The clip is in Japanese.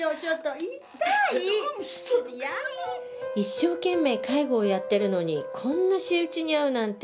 一生懸命介護をやってるのにこんな仕打ちに遭うなんて。